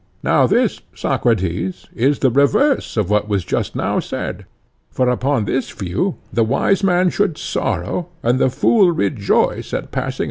Now this, Socrates, is the reverse of what was just now said; for upon this view the wise man should sorrow and the fool rejoice at passing out of life.